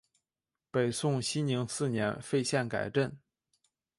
北宋熙宁四年废县改镇。